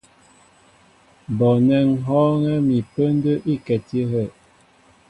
Bɔɔnɛ́ ŋ̀ hɔ́ɔ́ŋɛ́ mi pə́ndə́ íkɛti áhə'.